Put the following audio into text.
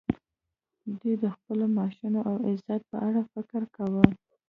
دوی د خپلو معاشونو او عزت په اړه فکر کاوه